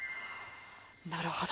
なるほど。